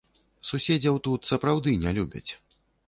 Суседзяў тут сапраўды не любяць.